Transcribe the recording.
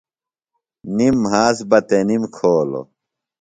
نِم مھاس بہ تنِم کھولوۡ۔